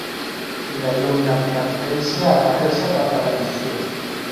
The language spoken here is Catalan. Tirallonga amb tendència a aparèixer per televisió.